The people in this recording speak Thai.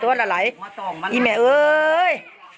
เฮ้ยเห้ยเห้ยเห้ยเห้ยเห้ยเห้ยเห้ยเห้ยเห้ยเห้ย